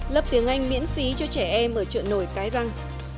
lớp tiếng anh miễn phí cho trẻ em ở trợ nổi cái răng